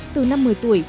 từ năm một mươi tuổi